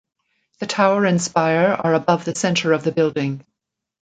The tower and spire are above the centre of the building.